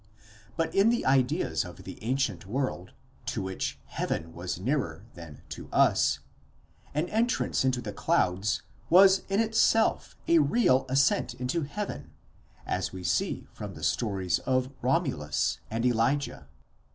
_ But in the ideas of the ancient world, to which heaven was nearer than to us, an entrance into the clouds was in itself a real ascent into heaven, as we see from the stories of Romulus and Elijah.